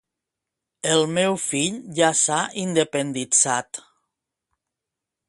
El meu fill ja s'ha independitzat